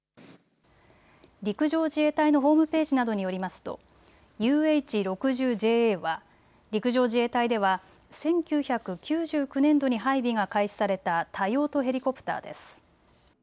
陸上自衛隊のホームページなどによりますとＵＨ−６０ＪＡは陸上自衛隊では１９９９年度に配備が開始された多用途ヘリコプターです。